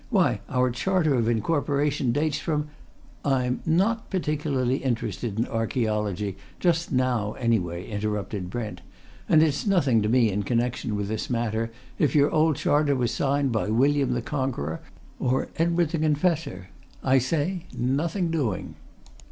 Why, our charter of incorporation dates from " "I'm not particularly interested in archæology, just now anyway," interrupted Brent. "And it's nothing to me in connection with this matter if your old charter was signed by William the Conqueror or Edward the Confessor. I say nothing doing!"